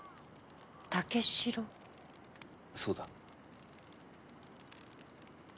そうだ。